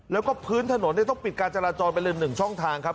แล้วก็พื้นถนนต้องปิดการจราจรไปลืม๑ช่องทางครับ